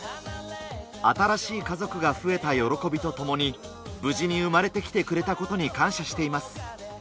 新しい家族が増えた喜びとともに、無事に産まれてきてくれたことに感謝しています。